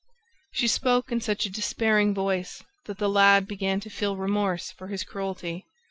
She spoke in such a despairing voice that the lad began to feel remorse for his cruelty.